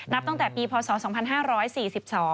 ตั้งแต่ปีพศ๒๕๔๒